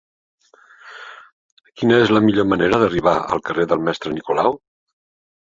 Quina és la millor manera d'arribar al carrer del Mestre Nicolau?